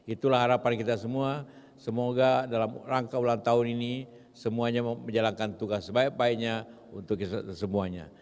itulah harapan kita semua semoga dalam rangka ulang tahun ini semuanya menjalankan tugas sebaik baiknya untuk kita semuanya